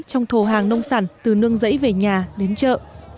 trong thổ hàng nông sản từ nương dãy về nhà đến chợ